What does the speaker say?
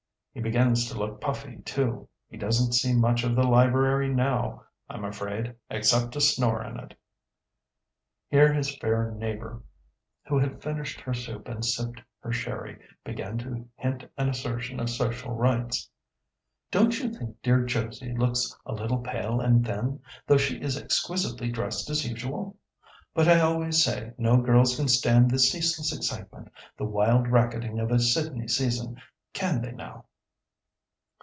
He begins to look puffy too; he doesn't see much of the library now, I'm afraid, except to snore in it." Here his fair neighbour, who had finished her soup and sipped her sherry, began to hint an assertion of social rights. "Don't you think dear Josie looks a little pale and thin, though she is exquisitely dressed as usual? But I always say no girls can stand the ceaseless excitement, the wild racketing of a Sydney season. Can they, now?"